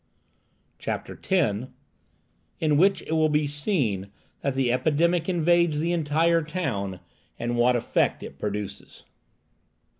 CHAPTER X. IN WHICH IT WILL BE SEEN THAT THE EPIDEMIC INVADES THE ENTIRE TOWN, AND WHAT EFFECT IT PRODUCES.